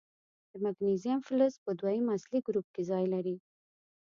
د مګنیزیم فلز په دویم اصلي ګروپ کې ځای لري.